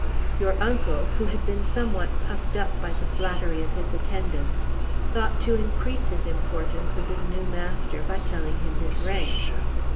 Your uncle, who had been somewhat puffed up by the flattery of his attendants, thought to increase his importance with his new master by telling him his rank.